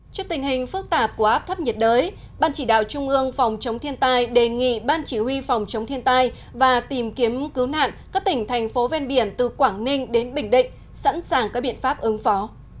trước tình hình phức tạp của áp thấp nhiệt đới ban chỉ đạo trung ương phòng chống thiên tai đề nghị ban chỉ huy phòng chống thiên tai và tìm kiếm cứu nạn các tỉnh thành phố ven biển từ quảng ninh đến bình định sẵn sàng các biện pháp ứng phó